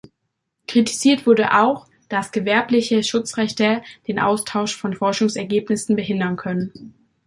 Kritisiert wurde auch, dass Gewerbliche Schutzrechte den Austausch von Forschungsergebnissen behindern können.